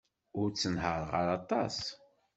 Ur ttenhaṛeɣ ara aṭas.